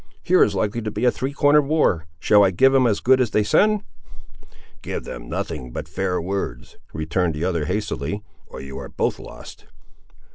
here is likely to be a three cornered war. Shall I give 'em as good as they send?" "Give them nothing but fair words," returned the other, hastily, "or you are both lost."